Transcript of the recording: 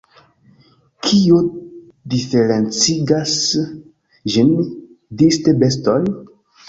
Kio diferencigas ĝin disde bestoj?